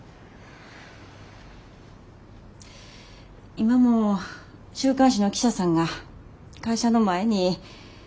今も週刊誌の記者さんが会社の前に張り込んでます。